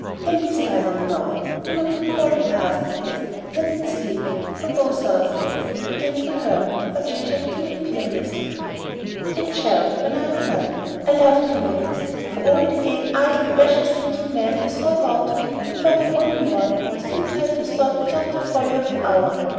"Then be silent now. Do not recall the past, Edith; let it sleep, for both our sakes," began Treherne; but she checked him imperiously. "It shall, when I am done. I loved you, Maurice; for, of all the gay, idle, pleasure seeking men I saw about me, you were the only one who seemed to have a thought beyond the folly of the hour.